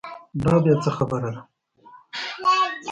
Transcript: دا بیا څه خبره ده.